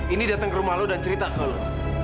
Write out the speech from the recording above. ini datang ke rumah lu dan cerita ke lu